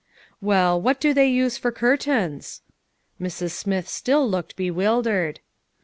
" Well, what do they use for curtains?" Mrs. Smith still looked bewildered.